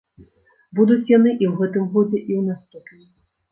Будуць яны і ў гэтым годзе, і ў наступным.